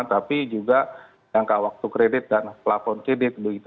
tapi juga jangka waktu kredit dan pelahon kredit